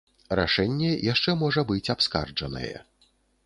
Рашэнне яшчэ можа быць абскарджанае.